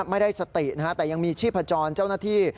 ไม่ได้สตินะฮะแต่ยังมีชีพจรเจ้าหน้าที่